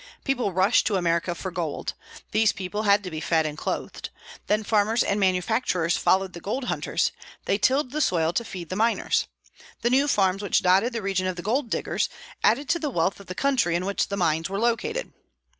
People rushed to America for gold: these people had to be fed and clothed. Then farmers and manufacturers followed the gold hunters; they tilled the soil to feed the miners. The new farms which dotted the region of the gold diggers added to the wealth of the country in which the mines were located.